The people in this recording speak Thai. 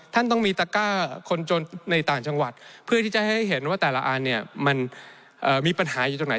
ท่านต้องมีตะก้าคนจนในต่างจังหวัดเพื่อที่จะให้เห็นว่าแต่ละอันเนี่ยมันมีปัญหาอยู่ตรงไหน